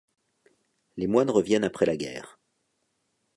Les moines reviennent après la guerre.